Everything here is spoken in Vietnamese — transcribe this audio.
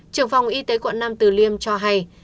trưởng phòng y tế quận nam từ liêm cho hay